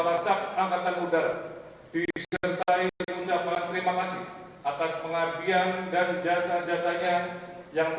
lalu kebangsaan indonesia baik